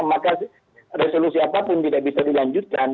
maka resolusi apapun tidak bisa dilanjutkan